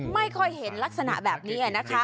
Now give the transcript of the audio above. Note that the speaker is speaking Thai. ไม่ค่อยเห็นลักษณะแบบนี้นะคะ